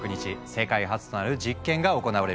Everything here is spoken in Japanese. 世界初となる実験が行われる。